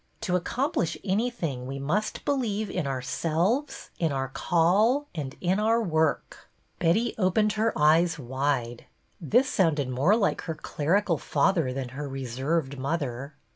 To accomplish any thing we must believe in ourselves, in our call, and in our work." 4 BETTY BAIRD'S VENTURES Betty opened her eyes wide. This sounded more like her clerical father than her reserved mother.